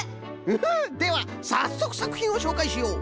フフッではさっそくさくひんをしょうかいしよう。